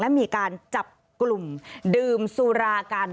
และมีการจับกลุ่มดื่มสุรากัน